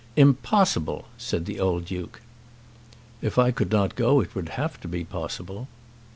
"Impossible!" said the old Duke. "If I could not go it would have to be possible."